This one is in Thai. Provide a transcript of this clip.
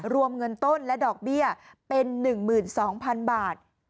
รวมเงินต้นและดอกเบี้ยเป็น๑๒๐๐๐บาท